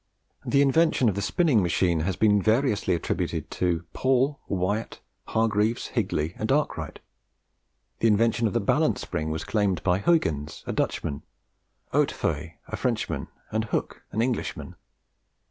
The invention of the spinning machine has been variously attributed to Paul, Wyatt, Hargreaves, Higley, and Arkwright. The invention of the balance spring was claimed by Huyghens, a Dutchman, Hautefeuille, a Frenchman, and Hooke, an Englishman.